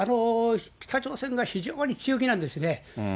北朝鮮が非常に強気なんですね。